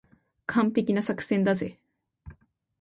完璧な作戦だぜ。